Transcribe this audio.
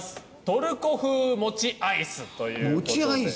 トルコ風もちアイスという事で。